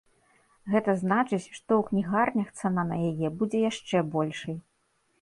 Гэта значыць, што ў кнігарнях цана на яе будзе яшчэ большай.